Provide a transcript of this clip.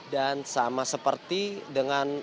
dan sama seperti dengan